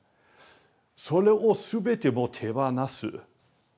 それを全てもう手放す。